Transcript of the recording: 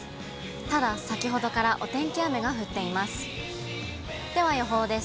ただ、先ほどからお天気雨が降っています。